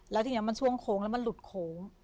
แล้วทีนี้มันช่วงโค้งแล้วมันหลุดโค้ง